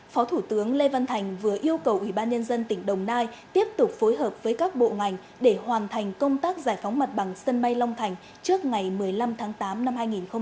phó thủ tướng lê văn thành vừa yêu cầu ủy ban nhân dân tỉnh đồng nai tiếp tục phối hợp với các bộ ngành để hoàn thành công tác giải phóng mặt bằng sân bay long thành trước ngày một mươi năm tháng tám năm hai nghìn hai mươi